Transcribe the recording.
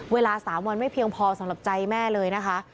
เวลา๓วันไม่เพียงพอสำหรับใจแม่เลยนะคะ